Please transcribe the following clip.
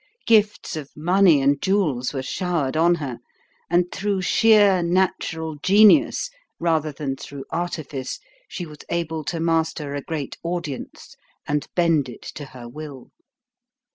Gifts of money and jewels were showered on her, and through sheer natural genius rather than through artifice she was able to master a great audience and bend it to her will.